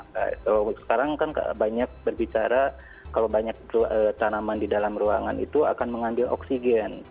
kalau sekarang kan banyak berbicara kalau banyak tanaman di dalam ruangan itu akan mengambil oksigen